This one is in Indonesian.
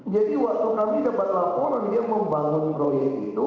jadi waktu kami dapat laporan dia membangun proyek itu